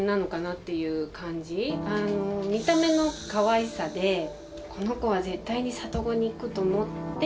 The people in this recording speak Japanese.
見た目のかわいさでこの子は絶対に里子に行くと思って。